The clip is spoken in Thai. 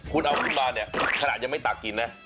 คุณเอาที่น้องบ้านเนี่ยมาขนาดยังไม่ตลากินนะ